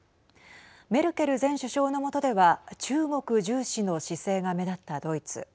メルケル前首相の下では中国重視の姿勢が目立ったドイツ。